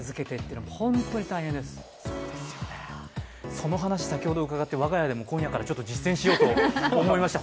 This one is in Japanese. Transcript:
その話、先ほど伺って我が家でも今夜から実践しようと思いました。